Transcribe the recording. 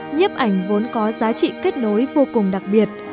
nhiếp ảnh vốn có giá trị kết nối vô cùng đặc biệt